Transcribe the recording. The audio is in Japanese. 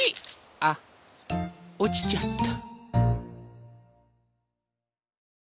あっおちちゃった。